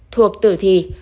thuộc tử thi